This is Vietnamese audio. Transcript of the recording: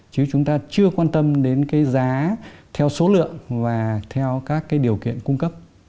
chứ chúng ta chưa quan tâm đến cái giá theo số lượng và theo các cái điều kiện cung cấp